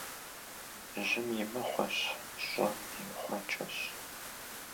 Жьым и мыгъуэщ, щӀэм и гъуэджэщ.